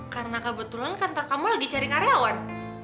karena kebetulan kantor kamu lagi cari karyawan